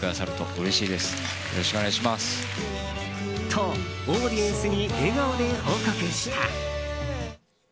と、オーディエンスに笑顔で報告した。